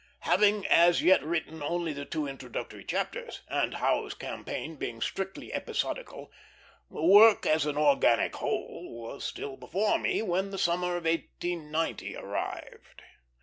Having as yet written only the two introductory chapters, and Howe's campaign being strictly episodical, the work as an organic whole was still before me when the summer of 1890 arrived.